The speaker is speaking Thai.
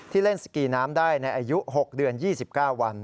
เล่นสกีน้ำได้ในอายุ๖เดือน๒๙วัน